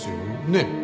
ねえ？